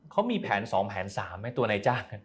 เขามีแผน๒แผน๓ไหมตัวนายจ้าง